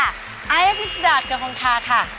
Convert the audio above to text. อายะพิชดาเกฮงคาค่ะ